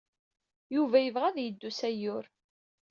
Yuba yebɣa ad yeddu s Ayyur.